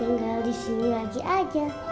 tinggal di sini lagi aja